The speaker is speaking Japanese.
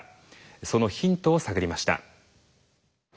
そのヒントを探りました。